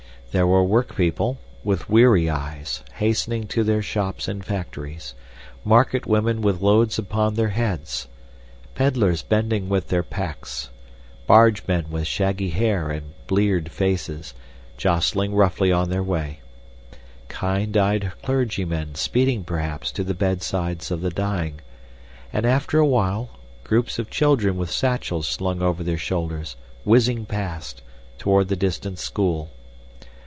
There were workpeople, with weary eyes, hastening to their shops and factories; market women with loads upon their heads; peddlers bending with their packs; bargemen with shaggy hair and bleared faces, jostling roughly on their way; kind eyed clergymen speeding perhaps to the bedsides of the dying; and, after a while, groups of children with satchels slung over their shoulders, whizzing past, toward the distant school.